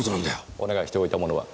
お願いしておいたものは？